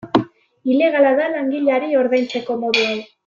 Ilegala da langileari ordaintzeko modu hau.